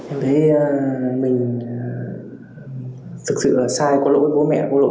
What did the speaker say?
em thấy mình thực sự là sai có lỗi với bố mẹ có lỗi với tất cả mọi người